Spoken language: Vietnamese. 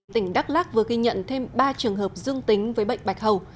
tỉnh đắk lắc vừa ghi nhận thêm ba trường hợp dương tính với bệnh bạch hầu